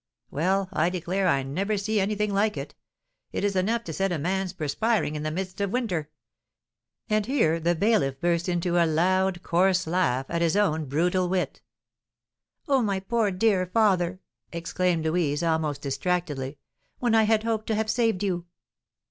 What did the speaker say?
Well, I declare I never see anything like it! It is enough to set a man 'prespiring' in the midst of winter!" and here the bailiff burst into a loud, coarse laugh at his own brutal wit. "Oh, my poor, dear father!" exclaimed Louise, almost distractedly; "when I had hoped to have saved you!"